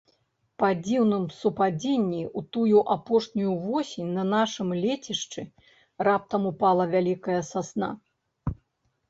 Па дзіўным супадзенні, у тую апошнюю восень на нашым лецішчы раптам упала вялікая сасна.